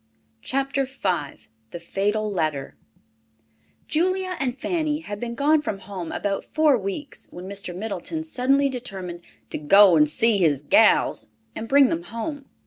CHAPTER V THE FATAL LETTER Julia and Fanny had been gone from home about four weeks when Mr. Middleton suddenly determined "to go and see his gals" and bring them home.